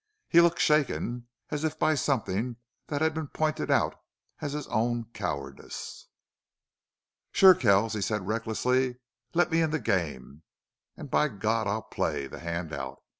He looked shaken as if by something that had been pointed out as his own cowardice. "Sure, Kells," he said, recklessly. "Let me in the game.... And by God I'll play the hand out!"